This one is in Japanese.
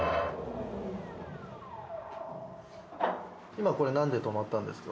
今これなんで止まったんですか？